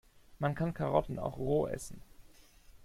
Man kann Karotten auch roh essen.